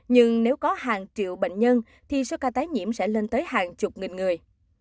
nhưng nếu có hàng triệu bệnh nhân thì số ca tái nhiễm sẽ lên tới hàng chục nghìn người